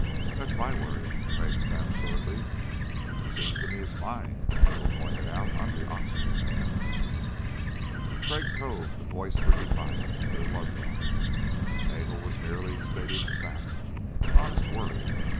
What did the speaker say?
"That's my worry," Crag snapped shortly. "Seems to me it's mine," Nagel pointed out. "I'm the oxygen man." Crag probed the voice for defiance. There was none. Nagel was merely stating a fact an honest worry.